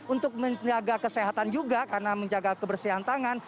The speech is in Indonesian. untuk menjaga kesehatan juga karena menjaga kebersihan tangan